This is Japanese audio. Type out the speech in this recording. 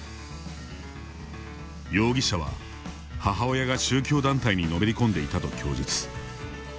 容疑者は、母親が宗教団体にのめり込んでいたと供述。